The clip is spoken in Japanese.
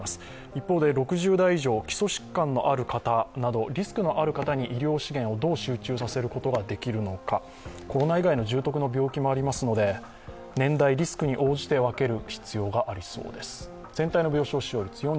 一方で６０代以上、基礎疾患のある方などリスクのある方に医療資源をどう集中することができるのか、コロナ以外の重篤な病気もありますので、年代、リスクに応じて分ける必要があるそうです。